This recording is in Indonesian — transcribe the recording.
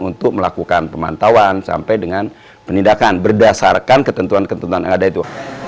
untuk melakukan pemantauan sampai dengan penindakan berdasarkan ketentuan ketentuan yang ada itu